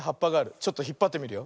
ちょっとひっぱってみるよ。